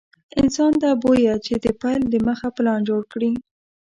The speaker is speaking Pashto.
انسان ته بويه چې د پيل دمخه پلان جوړ کړي.